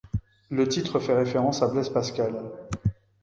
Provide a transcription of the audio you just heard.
Le titre fait référence à Blaise Pascal.